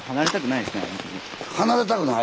離れたくない？